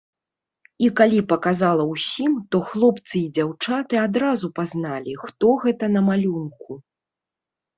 І калі паказала ўсім, то хлопцы і дзяўчаты адразу пазналі, хто гэта на малюнку.